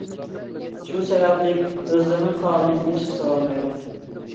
شۇ سەۋەبلىك ئۆزلىرىنىڭ قابىلىيىتىنى ئىشقا سالالمايدۇ.